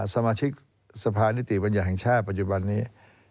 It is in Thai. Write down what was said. สมาชิกสภานิติบัญญาหนึ่งปัจจุบันนี้